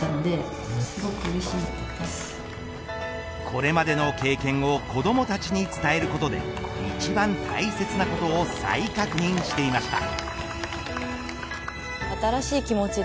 これまでの経験を子どもたちに伝えることで一番大切なことを再確認していました。